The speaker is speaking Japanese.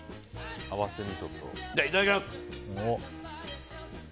いただきます。